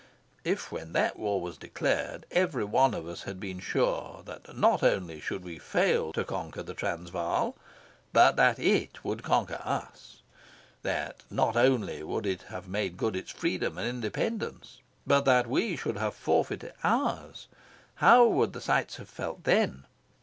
If, when that war was declared, every one had been sure that not only should we fail to conquer the Transvaal, but that IT would conquer US that not only would it make good its freedom and independence, but that we should forfeit ours how would the cits have felt then?